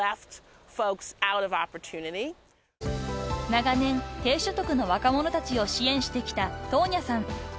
［長年低所得の若者たちを支援してきたトーニャさん］